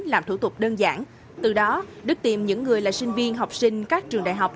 làm thủ tục đơn giản từ đó đức tìm những người là sinh viên học sinh các trường đại học